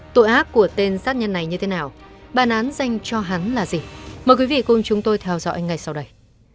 tội ác của tên sát nhân này như thế nào bản án dành cho hắn là gì mời quý vị cùng chúng tôi theo dõi ngay sau đây